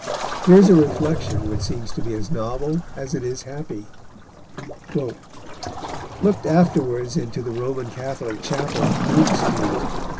Here is a reflection which seems to be as novel as it is happy: "Looked afterwards into the Roman Catholic Chapel in Duke Street.